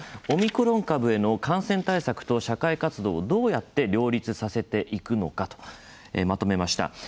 オミクロン株への感染対策と社会活動をどうやって両立させていくのかまとめました。